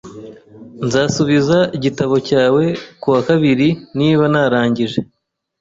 Nzasubiza igitabo cyawe kuwakabiri niba narangije.